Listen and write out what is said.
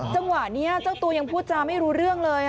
จังหวะนี้เจ้าตัวยังพูดจาไม่รู้เรื่องเลย